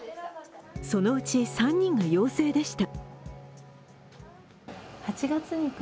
そのうち３人が陽性でした。